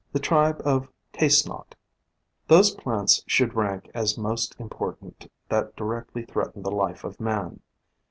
THE TRIBE OF "TASTE NOT" Those plants should rank as most important that directly threaten the life of man.